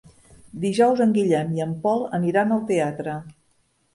Dijous en Guillem i en Pol aniran al teatre.